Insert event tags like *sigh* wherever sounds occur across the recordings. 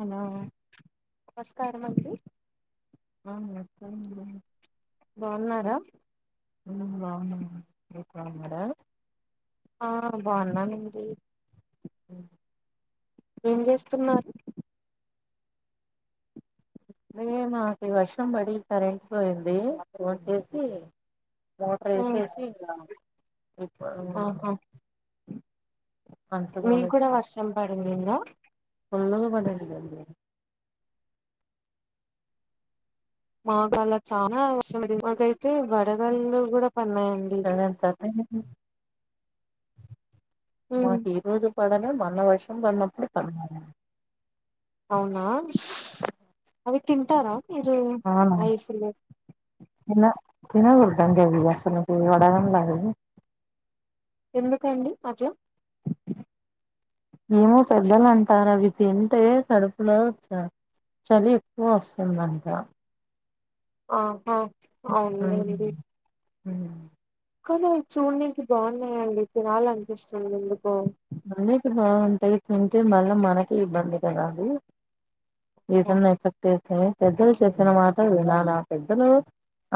Hello నమస్కారంమ అండి. *unintelligible* బాగున్నారా. మేము బాగున్నాము మీరు బాగున్నారా. అవును బాగున్నానండి. ఉమ్ ఏం చేస్తున్నారు. మేమ మాకు వర్షం పడి కరెంట్ పోయింది ఫోన్ చేసి మోటర్ వేసేసి ఇలా ఓకే అంట్లు మీకు కూడా తోమేస్తా వర్షం పడిందిందా. మా డాడి గది గది మతాన చాలా వర్షం పడింది. మాకైతే వడగాల్లు కూడా పన్నాయండి సరే ఎంత అయిపోయింది. ఉమ్, మాకి ఈ రోజే. పడంగనే మన వర్షం పడినప్పుడు పడ్ అవునా అవి తింటారా మీరు అవునా ఐస్ లు. తిన తినకూడదండి అవి అసలికి వడగండ్లు అవి. ఎందుకండి అట్లా ఏమో పెద్దలంటారు అవి తింటే కడుపులో చ చలి ఎక్కువ వస్తుందంట. ఆహ్ అవును ఉమ్ అండి ఉమ్ కానీ అవి చూనింకి బాగున్నాయండి తినాలి అనిపిస్తుంది ఎందుకో అన్నిటికీ బాగుంటాయి తింటే మళ్ళీ మనకి ఇబ్బంది కదా అది. తిన్న ఎఫెక్ట్. అదే పెద్దలు చెప్పిన మాట వినాలే పెద్దలు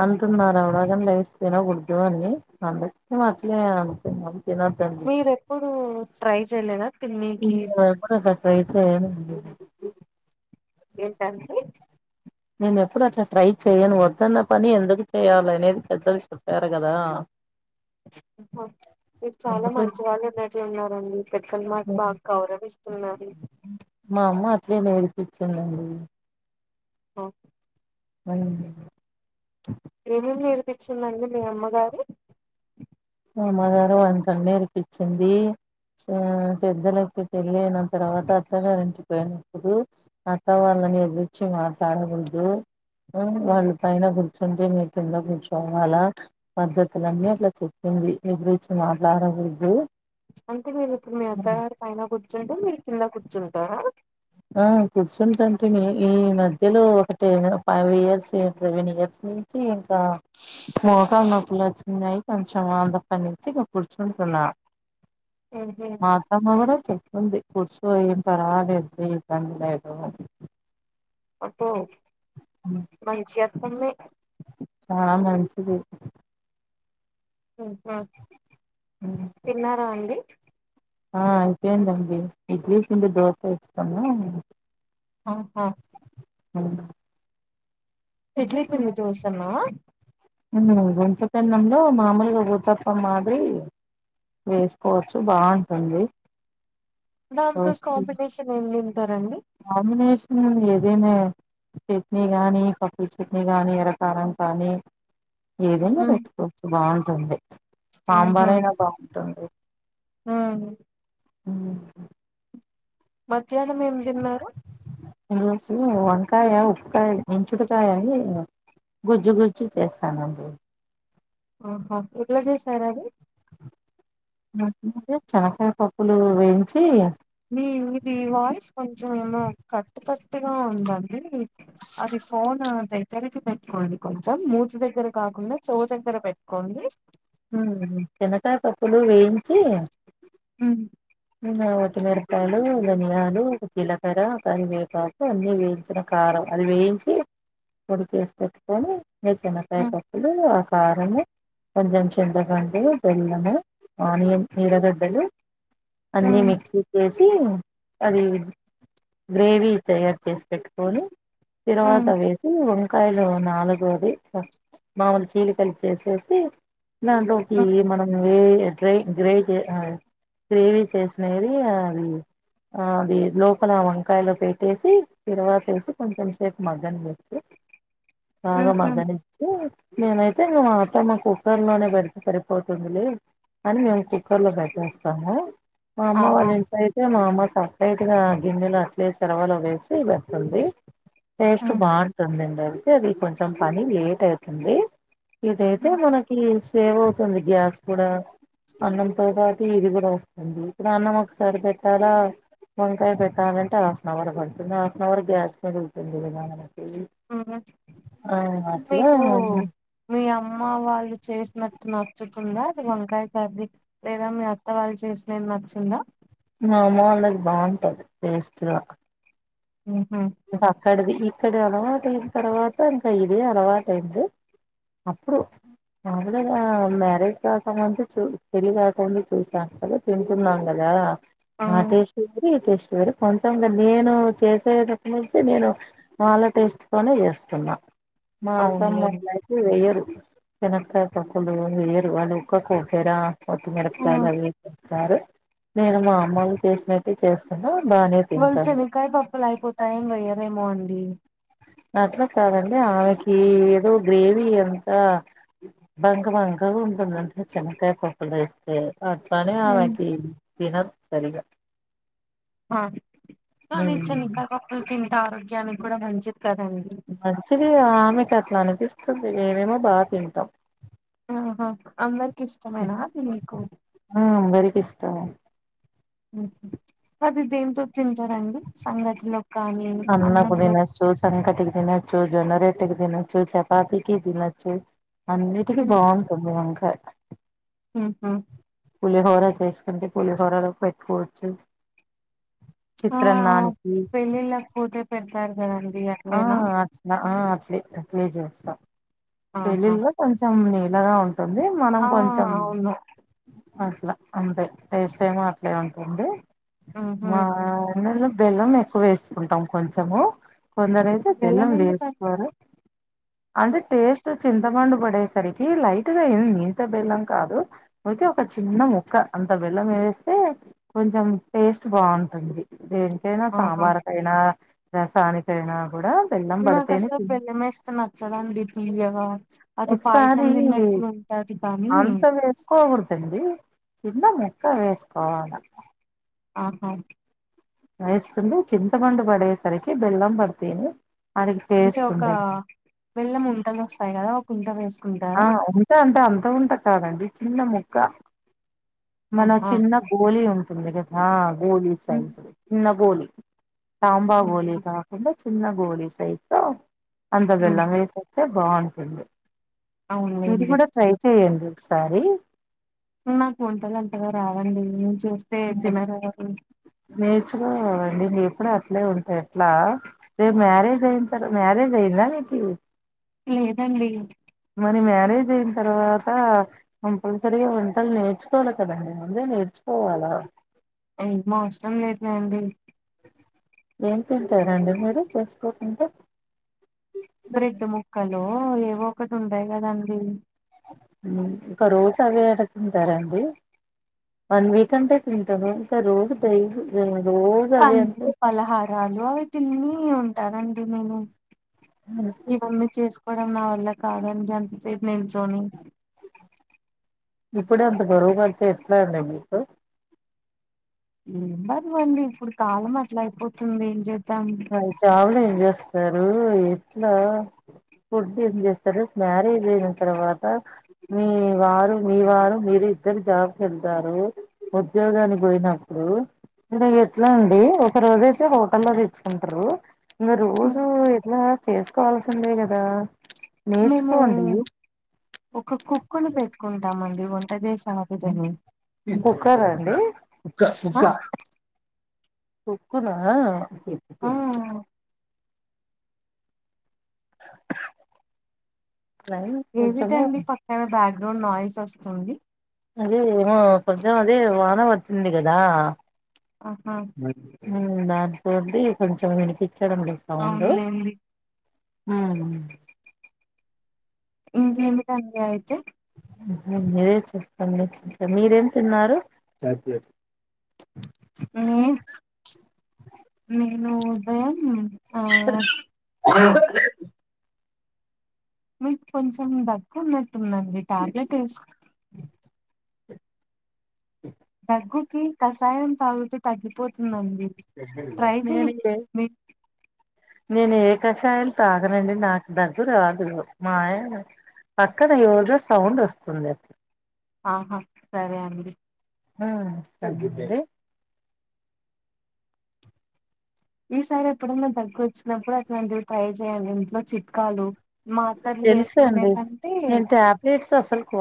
అంటున్నారు వడగండ్లు లేస్త తినకూడదు అని అందకే అట్లే అంటున్నాం. తినొద్దండి మీరెప్పుడు. ట్రై చేయలేదా. తిన్నీకి నేనెప్పుడూ ట్రై రయితే ఏమో ఉండేది. ఏంటండి. నేను ఎప్పుడు అట్లా ట్రై చెయను వద్దన్న పని ఎందుకు చేయాలి అనేది పెద్దలు చెప్పారు కదా. మీరు చాలా అందుకే మంచివాళ్ళు ఉన్నట్లు ఉన్నారండి. పెద్దల మాట బాగా గౌరవిస్తున్నారు. ఇట్లే నేర్పించిందండి. ఓకే అవును ఏమేమి నేర్పించిందండి మీ అమ్మగారు. అమ్మగారు వంట నేర్పించింది ఆహ్ పెద్దలకి పెళ్ళయిన తర్వాత అత్తగారు ఇంటికి పోయినప్పుడు అత్త వాళ్ళని ఎదురిచ్చి మాట్లాడకూడదు. ఆహ్ ఆ, వాళ్ళు పైన కూర్చుని మీరు కింద కూర్చోవాల పద్ధతులు అన్ని అట్లా చెప్ ఏంది నీ గురుంచి మాట్లాడకూడదు. అంటే మీరు ఇప్పుడు మీ అత్తగారి పైన కూర్చుంటే మీరు కింద కూర్చుంట డ ఆ కూర్చుంటంటే నే ఈ మధ్యలో ఒక ten five years seven years నుంచి ఇంకా మోకాలు నొప్పులు వచ్చినయి కొంచెం అందక్కడి నుంచి ఇ కూర్చుంటున్నా ఉహు మాఅతమ్మ గూడా చెప్తుంది. కూర్చో ఏంటి అలా *unintelligible* కదు *unintelligible* అబ్బో మంచిగ మమ్మీ ఆ మంచిది తిన్నారా అండి. ఆ ఇంకేంటండి ఇడ్లీ పిండి దోస ఇస్తన్నా ఆహా ఇడ్లీ పిండి దోశన ముందు గుంతె పెనంలో మామూలుగా ఊతప్పం మాదిరి వేసుకోవచ్చు బావుంటుంది. దాంతో రోస్ట్ కాంబినేషన్ ఏం తింటారండి అదేనే చట్నీ గానీ కఫ చట్నీ గానీ ఎర్రకారం కానీ ఏదైనా ఉహు పెట్టుకోవచ్చు బావుంట రండి సాంబారైనా బావుంటుంది. ఆ ఆ మధ్యాహ్నం ఏం తిన్నారు ఈరోజు వంకాయ ఉప్పుకాయ మంచుడుకాయ అని గుజ్జు గుజ్జు చేసానండి. ఆహా ఇది అదే సార్ అది నాకైతే చెనక్కాయ పప్పులు వేయించి మీ ఇది వాయిస్ కొంచెం ఏమో కట్టుతట్టుగా ఉందండి. అది ఫోన్ దగ్గరికి పెట్ అవును కొంచెం మూతి దగ్గర కాకుండా చెవి దగ్గర పెట్టుకోండి. హ్మ్ శనక్కాయ పప్పులు వేయించి హ్మ్ వట్టి మిరపకాయలు ధనియాలు జీలకర్ర కరివేపాకు అన్ని వేయించిన కారం అది వేయించి పొడిచేసి పెట్టుకొని వేరుశెనగకాయ ఉమ్, పప్పులు ఆ కారము కొంచెం చింతగాండి బెల్లము ఆనియన్ నీడగడ్డలు అన్ని ఉమ్, మిక్సకి అది గ్రేవీ తయారు చేసి పెట్టుకొని తిరువత ఉమ్, వేసి కాయలు నాలుగైదు మామూలు చీలికలి చేసేసి దాంట్లోకి ఉమ్, మనము *unintelligible* గ్రేవీ చేసినది అది ఆ అది లోపల వంకాయలో పెట్టేసి తిరువత వేసి కొంచెం సేపు మగ్గన పెట్టి బాగా ఉమ్, ఉమ్. మగనించి నేనైతే మా అత్తమ్మ కుక్కర్ లోనే పెడితే సరిపోతుందిలే అని మేము కుక్కర్ లో పెట్టేస్తాం తాము మా అమ్మ వాళ్ళ ఆహా ఇంట్లో అయితే మా అమ్మ స రైట్గా గిన్నెలో అట్లే చెరవలు వేసి పెడుతుంది టేస్ట్ ఉమ్, బాగుంటుందని ఆది అది కొంచెం పని లేేట్యితుంది ఇదైతే ఉమ్, మనకి సేవ్ అవుతుంది గ్యాస్ కూడా అన్నం తో పాట్ ఇది కూడా వస్తుంది ఇప్పుడ అన్నం ఒకసారి పెట్టాలా వంకాయ పెట్టాలంటే హాఫ్ అన్ అవర్ పడుతుంది హాఫ్ అన్ అవర్ గ్యాస్ మీద ఉతుంది కదా ఆ అట్లా మీకు మీ అమ్మ వాళ్ళు చేసినట్టు నచ్చుతుందా అది వంకాయ కర్రీ లేేదా మీ అత్త వాళ్ళు చేసినది నచ్చిందా మా అమ్మ వాళ్ళది బాగుంటది టేస్ట్ ఎలా అక్కడిది ఇక్కడి అలవాటయిన తర్వాత ఇంకా ఇదే అలవాటయింది అప్పుడు నా వల్ల కాదనరు చేస్తానంటే చూడు *unintelligible* చూసా కదా తింటున్నాం కదా ఆ టేస్ట్ వేరు ఈ టేస్ట్ వేర్ చూడు కొంచె నేను చేసేది నుంచి నేను మా వాళ్ళ టేస్ట్ తోనే చేస్తున్నా మా అత్తమ్మ అవునులేండి అట్లాంటివి చేయరు చెన్నకాయ్ పప్పులు ఈ ఇయర్ వల్లే ఎక్కువ కోసర పచ్చి ఉమ్, మిరపకాయలు *unintelligible* సరే నేను మా అమ్మలు చేసినట్టు చేస్తున్నా బానే *unintelligible* తింటాను చెన్నకాయ పప్పు యిపో *unintelligible* అండి అట్లా కాదండి ఆమెకి ఏదో గ్రేవీ ఎంత బక బంక ఉంటుందంటడి చెన్నకాయ్ పప్పు వేస్తే అట్లానే ఉమ్. ఆవకి తినం సరిగా ఆ ఆ నిచని కా పప్పులు తింటా ఆరోగ్యనికి కూడా మంచిద్ మంచిది ఆమె కట్లా అని పిస్తుంది మేమేమో బాగా తింటాం ఆహా అందరికి ఇష్టమేనా అది మీకు ఇష్టమే అది దేంతో తింటారండి సంగటిలో కానీ అన్నకు అన్నంలో దినచ్చు, సంకటికి తినచ్చు, జొన్న రేటకి తినొచ్చు, చపాతికి తినొచ్చు. అన్నిటికీ ఉమ్, బాగుంటుంది అం *unintelligible* ఉహ్ హు పులిహోర చేసుకుంటే పులిహోరలో పెట్టుకోవచ్చు ఆ చిత్రాన్నానికి పెళ్ళిళ్ళక్ పోతే పెడతారు కదండి ఎక్కడైనా ప్లే అప్లే చేస్తాం ఆహా పేళ్లిల్లో కొంచంమీ నారావ్ టుంది మనం ఆ కొంచెం అవును అట్లా అంటే టేస్ట్ ఏమో అట్లే ఉంటుంది ఉహు మా అనోళ్లం బెల్లం ఎక్కువ వేసుకుంటాం కొంచెము కొందరైతే బెల్లం వేసుకోరు ఏస్తారు అంటే టేస్ట్ చింతపండు పడేసరికి లైట్గా అయింది. ఇంత బెల్లం కాదు ఓయితే ఒక చిన్న ముక్క అంత బెల్లం వేస్తే కొంచెం టేస్ట్ బాగుంటుంది. దేనికైనా ఆహా సాంబార్కైనా రసానికైన కూడా బెల్లం నా పడితేనే కసల్ తిన్ బెల్లమేస్తే నచ్చదండి తియ్యగా ఒకసారి కానీ అంత వేస్కోగుడదండి డి చిన్న మొక్క వేసుకోవాల ఆహా వేస్కుంది చింతపండు బడే సరికి బెల్లం పడితెనె అంటే ఒక బెల్లం ఉంటలు వస్తాయి కదా కుంట వస్ ఆ ఉంటా అంట అంత ఉంట కాదండి చిన్న ముక్క మన ఆహా చిన్న గోలి ఉం *unintelligible* పోలీస్ అయి ఉమ్, *inaudible* న్న బోలీ తంబా ఉమ్, బోలీ కాకుండా చిన్న గోలి సయిజు అంత ఉమ్, బెల్ల మే సతే బాగుంటుంది మీది అవునులేండి కూడా ట్రై చెయండి సారి నాకు వంటలు అంతగా రావండి వస్తాయండీ న్నాకురవు నేర్చుకోవండి ఎప్పుడు అట్లే ఉంటె ఎట్లా రేపు మ్యారేజ్ అయిన తర్వా మ్యారేజ్ అయ్యిందా మీకి లేదండి మరి మ్యారేజ్ అయిన తర్వాత కంపల్సరిగా వంటలు నేర్చుకోవాలి. కదండి ముందే నేర్చుకోవాలా ఎం అవసరం లేదులే అండి ఏం తింటారండి మీరు చేసుకోకుంటే బ్రెడ్ ముక్కలు ఏవో ఒకట్ ఉంటాయి కదండి ఒక రోజు అవే ఆడ తింటారండి వన్ వీక్ అంటే తింటారూ ఇంకా రోజు డైలీ రోజు అవే అంటే పంలు పలహారాలు అవి తిన్ని ఉ సరెండి మేము ఇవన్నీ చేసుకోవడం నా వల్ల కావ జం *unintelligible* నిల్చోని ఇప్పుడే అంత బరువుగా అయితే ఎట్లా అండి మీకు ఏం బర్వండి ఇప్పుడు కాలం అట్లా అయిపోతుంది ఏం చే అ చాలులే ఎం చే స్తారు ఎట్లా ఫుడ్ ఏం చేస్తారు. మ్యారేజ్ అయిన తర్వాత మీ వారు మీ వారు మీరు ఇద్దరు జాబ్కు వెళ్తారు. ఉద్యోగానికి పోయినప్పుడు ఎట్లా అండి ఒక రోజు అయితే హోటల్ లో తెచ్చు కుంటరు ఇగా రోజు ఎట్లా చేసుకోవాల్సిందే కదా మేము నేర్చుకోండి ఒక కుక్కను పెట్టుకుంటమండీ వంట చేసి కుక్కరా అండి కుక్క *unintelligible* కుక్కునా ఆ కొంచెము ఏవిటండి పక్కన బ్యాక్గ్రౌండ్ నాయిస్ తొస్తుంది అది ఏమో కొంచెం అదే వాన వచ్చింది కదా ఆహా ఉమ్ దాన్ తోంది కొంచెం వినిపి చడం లేదు సౌండు అవునులేండి హుమ్ ఇంకేమిటండి అయితే మీరే చెప్పండి మీరేం తిన్నారు నేను *unintelligible* ఇంకా మీకు కొంచెం దగ్గు ఉన్నట్టుందండి టాబ్లెట్ వేస్ దగ్గుకి కషాయం తాగుతే తగ్గిపోతుందండి ట్రై నేను చేయండి ఏ నేను ఏకశాయిలు తాగనండి నాకు దగ్గు రాదు మా ఆయన పక్కన ఎవర్ధో సౌండ్ వస్తుంది ఆహా సరే అండి హుమ్ దగ్గితే ఈసారి ఎప్పుడైనా దగ్గు వచ్చినప్పుడు అట్లాంటివి ట్రై చేయండి ఇంట్లో చిట్కాలు మాతర్లు తెలుసండి వేసుకునేకంటే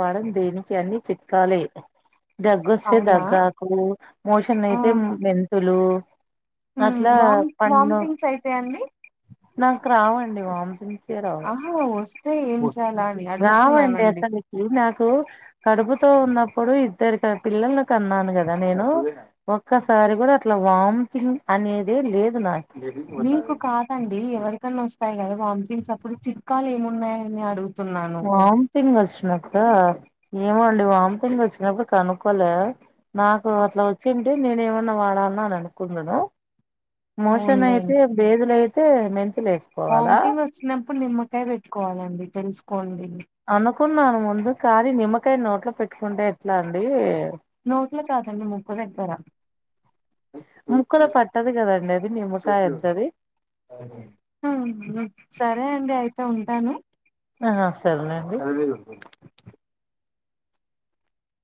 వాడం దేనికి అని చిట్కాలే ఇక దగ్గొస్తే అవునా దగ్గాకు మోషన్ ఆ అయితే మెన్ లూ ఉమ్ అట్లా వామ్ పన్ను వామ్థింగ్స్ అయితాయండి నాకు రావండి వామ్ ఆహా వస్తే ఏం చేయాలా అని రావు అండి అడుగుతున్నానండి అసలుకి నాకు కడుపుతో ఉన్నప్పుడు ఇద్దరి క పిల్లలు కన్నాను కదా నేను ఒక్కసారి కూడా అట్లా వామిటింగ్ అనేది లేదు నా మీకు కాదండి ఎవరికన్నా వస్ తాయి కదా వామ్థింగ్స్ అప్పుడు చిట్కాలు ఏం ఉన్నాయని అడుగు వాంతింగ్ వచ్చినప్పుడ ఏమో అండి వాంథింగ్ వచ్చినప్పుడు కనుక్కొలే నాకు అట్లా వచ్చిన్ టే నేను ఏమన్నా వాడాల్నా అని అనుకుందును మోషన్ అయితే బేదులై తే మెన్ హమ్థింగ్ వచ్చినప్పుడు నిమ్మకాయ పెట్టుకోవాలండి తెల్సు కోండి అనుకున్నాను ముందు కానీీ నిమ్మకాయ నోట్లో పెట్టుకుంటే ఎట్లా అండి నోట్లో కాదండి ముక్కు దగ్గర ముక్కలో పట్టదు కదండి అది నిమ్మకాయ ఎద్దది సరే అదే అండి అయితే ఉంటాను ఆ సరేనండి